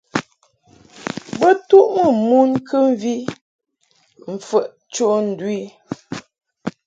Bo tuʼmɨ mon kɨmvi mfəʼ cho ndu i.